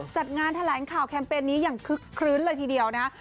จัดงานทะเล้งข่าวแคมเปญนี้อย่างคลึ้นเลยทีเดียวนะ